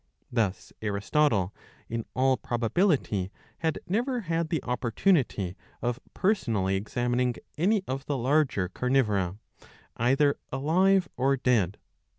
Thus Aristotle, in all probability, had. never, had the rppportunity of personally examining any of the larger carnivora, either Lalive or dead.